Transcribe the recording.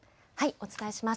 お伝えします。